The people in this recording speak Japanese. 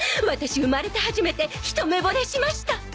ワタシ生まれて初めてひと目ぼれしました